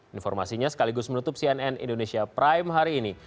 informasinya sekaligus menutup cnn indonesia prime hari ini